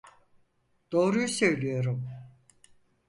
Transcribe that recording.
Doğruyu söylüyorum.